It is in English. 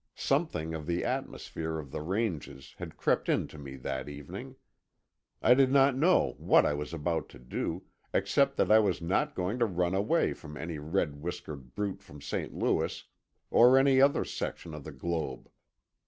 Something of the atmosphere of the ranges had crept into me that evening. I did not know what I was about to do, except that I was not going to run away from any red whiskered brute from St. Louis or any other section of the globe.